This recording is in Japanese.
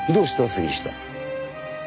杉下。